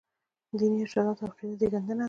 دیني ارشاداتو او اعتقاد زېږنده دي.